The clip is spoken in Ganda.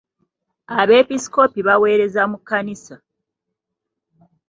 Abeepiskoopi baweereza mu kkanisa.